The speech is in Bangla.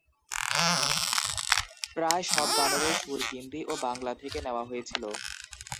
প্রায় সব গানেরই সুর হিন্দি ও বাংলা থেকে নেওয়া হয়েছিল।